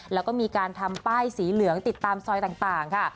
แล้วก็มีการทำป้ายสีเหลืองติดตามซอยต่างค่ะ